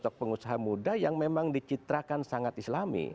sosok pengusaha muda yang memang dicitrakan sangat islami